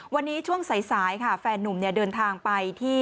วันนี้ช่วงสายค่ะแฟนนุ่มเดินทางไปที่